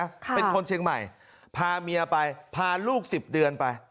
ค่ะเป็นคนเชียงใหม่พาเมียไปพาลูกสิบเดือนไป